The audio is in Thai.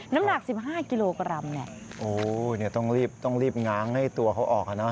น้ำหนัก๑๕กิโลกรัมต้องรีบง้างให้ตัวเขาออกค่ะนะ